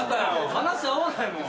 話合わないもん。